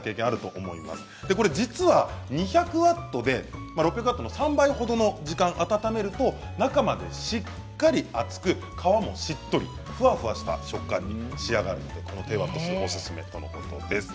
でこれ実は２００ワットで６００ワットの３倍ほどの時間温めると中までしっかり熱く皮もしっとりふわふわした食感に仕上がるのでこの低ワット数おすすめとのことです。